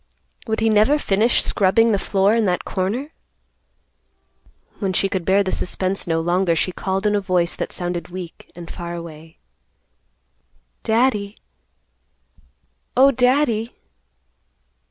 Would he never finish scrubbing the floor in that corner? When she could bear the suspense no longer, she called in a voice that sounded weak and far away; "Daddy, Oh, Daddy."